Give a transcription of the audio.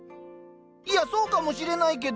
いやそうかもしれないけど。